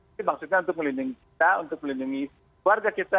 ini maksudnya untuk melindungi kita untuk melindungi keluarga kita